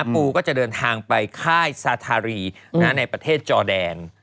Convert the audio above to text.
ปูก็จะเดินทางไปค่ายสาธารีในประเทศจอแดน